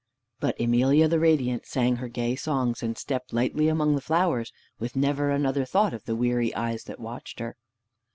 But Emelia the Radiant sang her gay songs and stepped lightly among the flowers, with never another thought of the weary eyes that watched her.